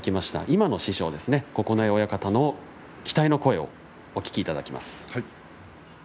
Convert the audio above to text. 今の師匠、九重親方の期待の声をお聞きいただきます。